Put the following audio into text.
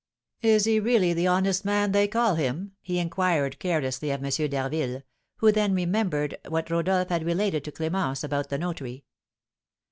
"Is he really the honest man they call him?" he inquired, carelessly, of M. d'Harville, who then remembered what Rodolph had related to Clémence about the notary.